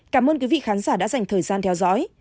cảm ơn quý vị khán giả đã dành thời gian theo dõi